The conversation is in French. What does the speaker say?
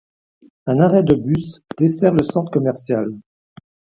Un arrêt de bus dessert le centre commercial.